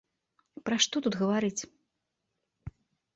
Пра што тут гаварыць?